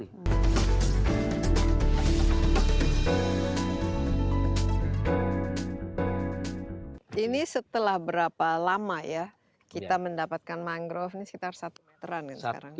ini setelah berapa lama ya kita mendapatkan mangrove ini sekitar satu meteran kan sekarang